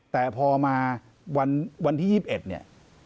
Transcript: แต่พอมาวันที่๒๑